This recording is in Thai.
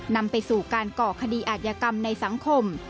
นำไปสู่การก่อคดีอาจยกรรมในสังคม